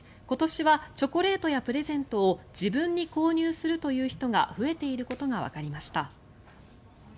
今年はチョコレートやプレゼントを自分に購入するという人が増えていることがわかりました。